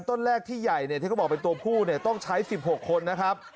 ต้นแรกที่ใหญ่ที่เขาบอกเป็นตัวผู้ต้องใช้๑๖คนนะครับ